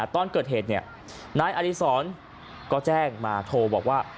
ตอนเกิดเหตุนายอดีศรก็แจ้งมาโทรบอกว่า